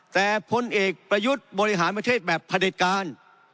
แต่พลเอกประยุทธ์บริหารประเทศแบบผลิตการ